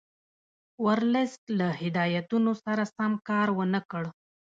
ورلسټ له هدایتونو سره سم کار ونه کړ.